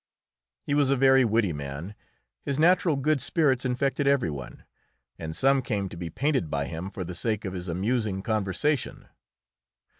He was a very witty man. His natural good spirits infected every one, and some came to be painted by him for the sake of his amusing conversation.